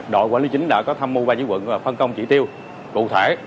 đội quản lý chính đã có thăm mưu ba chiếc quận và phân công chỉ tiêu cụ thể